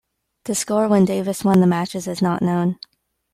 The score when Davis won the matches is not known.